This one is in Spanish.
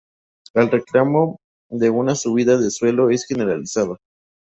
El reclamo de una subida de sueldo es generalizado.